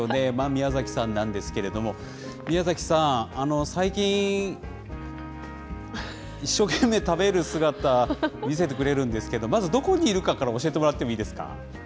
宮崎さんなんですけれども、宮崎さん、最近、一生懸命食べる姿、見せてくれるんですけど、まず、どこにいるかから教えてもらってもいいですか？